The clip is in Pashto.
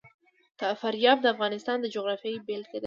فاریاب د افغانستان د جغرافیې بېلګه ده.